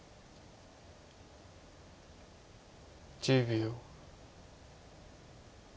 １０秒。